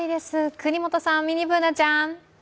國本さん、ミニＢｏｏｎａちゃん。